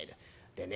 でね